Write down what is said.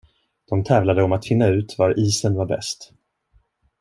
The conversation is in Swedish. De tävlade om att finna ut var isen var bäst.